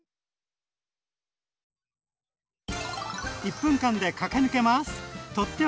１分間で駆け抜けます！